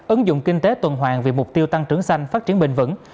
ứng dụng kinh tế tuần hoàng vì mục tiêu tăng trưởng xanh phát triển bền vững